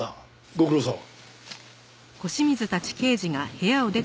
ご苦労さん。